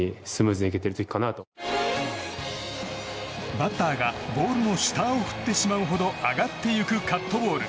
バッターがボールの下を振ってしまうほど上がっていくカットボール。